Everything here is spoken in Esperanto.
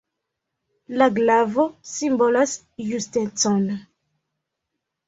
La glavo simbolas justecon.